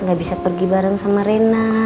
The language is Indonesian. gak bisa pergi bareng sama rena